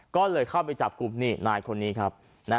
ก็เลยเข้าไปจับกลุ่มนี่นายคนนี้ครับ